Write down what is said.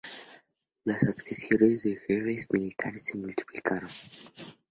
Las adhesiones de jefes militares se multiplicaron.